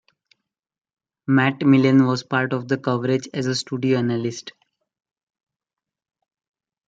Matt Millen was part of the coverage as a studio analyst.